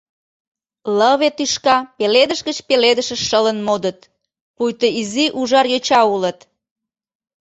Лыве тӱшка пеледыш гыч пеледышыш шылын модыт, пуйто изи ужар йоча улыт.